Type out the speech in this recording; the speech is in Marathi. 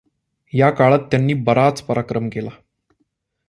या काळात त्यांनी बराच पराक्रम केला.